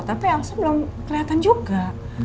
tapi alasan belum keliatan juga